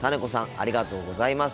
ありがとうございます。